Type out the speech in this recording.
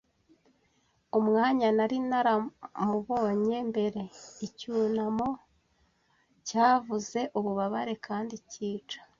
umwanya nari naramubonye mbere. Icyunamo, cyavuze ububabare kandi cyica